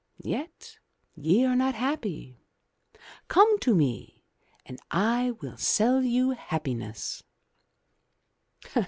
Yet ye are not happy. Come to me and I will sell you happiness.'